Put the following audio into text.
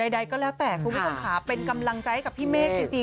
ใดก็แล้วแต่คุณพุทธภาพเป็นกำลังใจกับพี่เมฆจริง